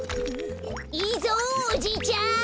いいぞおじいちゃん。